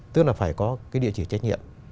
tức là phải có cái địa chỉ trách nhiệm